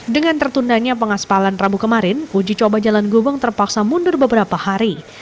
dengan tertundanya pengaspalan rabu kemarin uji coba jalan gubeng terpaksa mundur beberapa hari